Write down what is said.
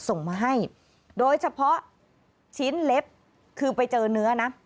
ส่งมาให้โดยเฉพาะชิ้นเล็บคือไปเจอเนื้อนะ